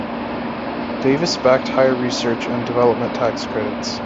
Davis backed higher research and development tax credits.